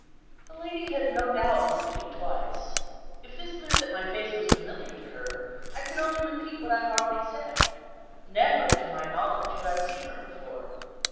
The lady had no doubt looked at me twice. If this meant that my face was familiar to her, I could only repeat what I have already said. Never, to my knowledge, had I seen her before.